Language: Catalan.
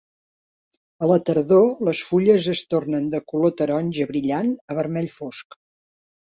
A la tardor les fulles es tornen de color taronja brillant a vermell fosc.